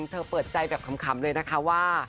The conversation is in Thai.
เธอเปิดใจแบบขำเลยนะคะว่า